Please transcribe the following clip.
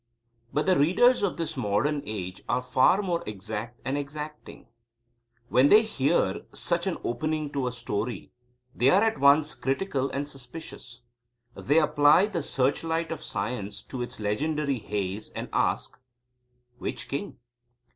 But the readers of this modern age are far more exact and exacting. When they hear such an opening to a story, they are at once critical and suspicious. They apply the searchlight of science to its legendary haze and ask: "Which king?"